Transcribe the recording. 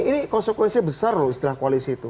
ini konsekuensinya besar loh istilah koalisi itu